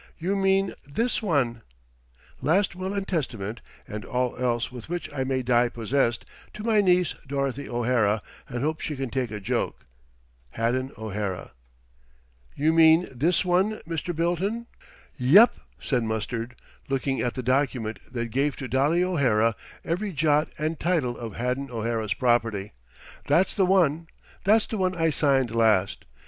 "You mean this one: Last will and testament and all else with which I may die possessed to my niece Dorothy O'Hara and hope she can take a joke Haddon O'Hara. You mean this one, Mr. Bilton?" "Yep," said Mustard, looking at the document that gave to Dolly O'Hara every jot and tittle of Haddon O'Hara's property. "That's the one. That's the one I signed last.